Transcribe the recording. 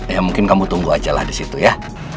ya mungkin kamu tunggu aja lah di situ ya